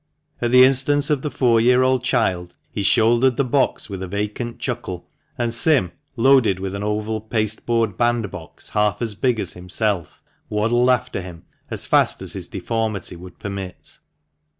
At the instance of the four year old child he shouldered the box with a vacant chuckle, and Sim, loaded with an oval pasteboard bandbox half as big as himself, waddled after him as fast as his deformity would permit.